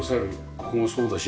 ここもそうだし